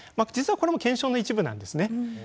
実はこれも検証の一部なんですね。